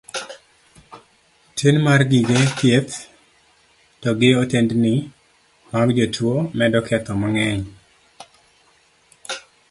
Tin mar gige thieth to gi otendni mag jotuo medo ketho mang'eny.